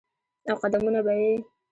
او قدمونه به یې،